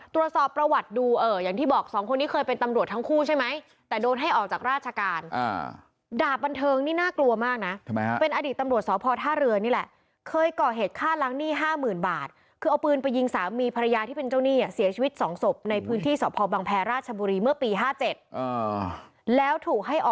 ตรวจสอบประวัติดูอย่างที่บอกสองคนนี้เคยเป็นตำรวจทั้งคู่ใช่ไหมแต่โดนให้ออกจากราชการดาบบันเทิงนี่น่ากลัวมากนะทำไมฮะเป็นอดีตตำรวจสพท่าเรือนี่แหละเคยก่อเหตุฆ่าล้างหนี้ห้าหมื่นบาทคือเอาปืนไปยิงสามีภรรยาที่เป็นเจ้าหนี้อ่ะเสียชีวิตสองศพในพื้นที่สพบังแพรราชบุรีเมื่อปี๕๗แล้วถูกให้อ